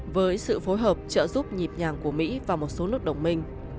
với sự phối hợp trợ giúp nhịp nhàng của mỹ và một số nước đồng minh